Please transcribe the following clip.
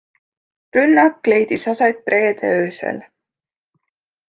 Rünnak leidis aset reede öösel.